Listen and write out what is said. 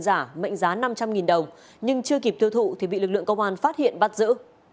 giả mệnh giá năm trăm linh đồng nhưng chưa kịp tiêu thụ thì bị lực lượng công an phát hiện bắt giữ